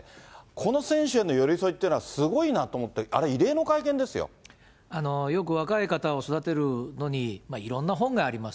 この選手への寄り添いっていうのは、すごいなと思って、あれ、異よく若い方を育てるのに、いろんな本があります。